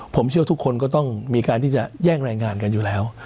ผมเชื่อทุกคนก็ต้องมีการที่จะแย่งรายงานกันอยู่แล้ว